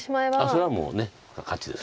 それはもう勝ちです。